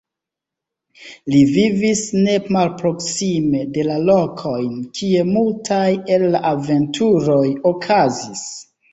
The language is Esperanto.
Li vivis ne malproksime de la lokojn, kie multaj el la aventuroj okazis.